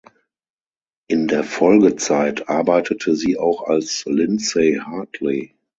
In der Folgezeit arbeitete sie auch als "Lindsay Hartley".